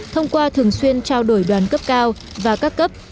thông qua thường xuyên trao đổi đoàn cấp cao và các cấp